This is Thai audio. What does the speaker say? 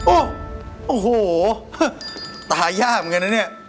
โอ้โหตายยากเหมือนกันนะเนี่ย